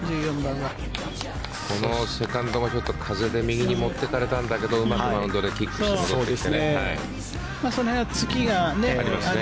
このセカンドショット風で右に持っていかれたんだけどうまくマウンドでキックして戻ってきた。